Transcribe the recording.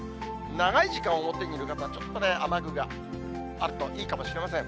長い時間、表にいる方、ちょっとね、雨具があるといいかもしれません。